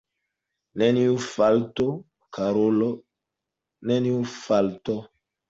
Neniu falto, karul’, neniu falto!